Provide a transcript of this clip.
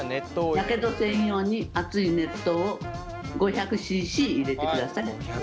やけどせんように熱い熱湯を５００ｃｃ入れてください。